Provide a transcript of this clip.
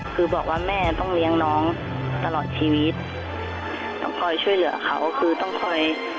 คือบอกว่าแม่ต้องเลี้ยงน้องตลอดชีวิตต้องคอยช่วยเหลือเขาคือต้องคอย